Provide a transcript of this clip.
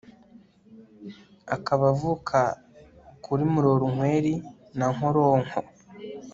akaba avuka kuri murorunkwere na nkoronko